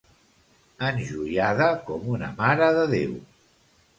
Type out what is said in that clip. Enjoiada com una Mare de Déu.